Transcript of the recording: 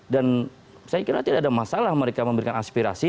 saya kira tidak ada masalah mereka memberikan aspirasi